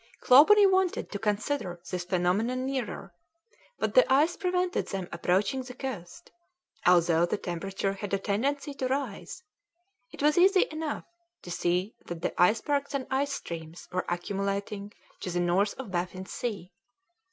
Clawbonny wanted to consider this phenomenon nearer, but the ice prevented them approaching the coast; although the temperature had a tendency to rise, it was easy enough to see that the icebergs and ice streams were accumulating to the north of Baffin's Sea.